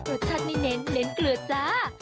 รสชาตินี่เน้นเกลือจ้า